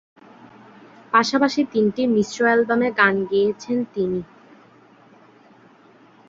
পাশাপাশি তিনটি মিশ্র অ্যালবামে গান গেয়েছেন তিনি।